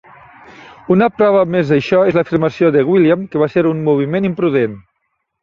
Una prova més d'això és l'afirmació de William que va ser un moviment imprudent.